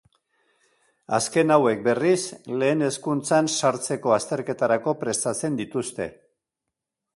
Azken hauek, berriz, lehen hezkuntzan sartzeko azterketarako prestatzen dituzte.